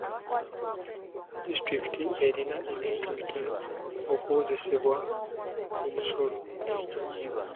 Disitulikiti erina ebintu bitono okuwoozebwa omusolo.